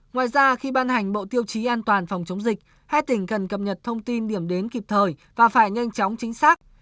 ngoài ra khi ban hành bộ tiêu chí an toàn phòng chống dịch hai tỉnh cần cập nhật thông tin điểm đến kịp thời và phải nhanh chóng chính xác